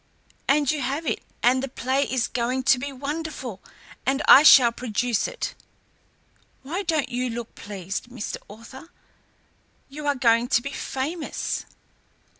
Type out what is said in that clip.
And you have it, and the play is going to be wonderful, and I shall produce it. Why don't you look pleased, Mr. Author? You are going to be famous."